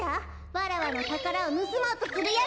わらわのたからをぬすもうとするやつは！